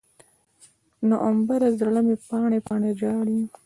نومبره، زړه مې پاڼې، پاڼې ژاړي